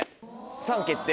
３決定。